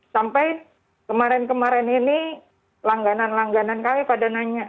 sampai kemarin kemarin ini langganan langganan kami pada nanya